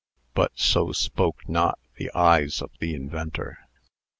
But so spoke not the eyes of the inventor.